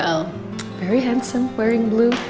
sangat kacak pakai warna biru